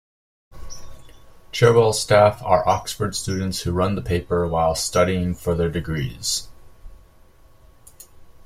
"Cherwell" staff are Oxford students who run the paper while studying for their degrees.